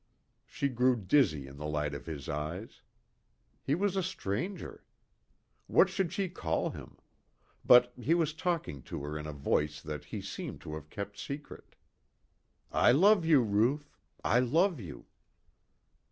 She grew dizzy in the light of his eyes. He was a stranger. What should she call him? But he was talking to her in a voice that he seemed to have kept secret.... "I love you, Ruth. I love you."